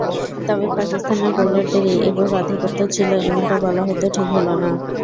তবে পাকিস্তানের বোলারদেরই একক আধিপত্য ছিল এমনটা বলা হয়তো ঠিক হলো না।